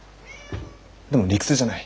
でも理屈じゃない。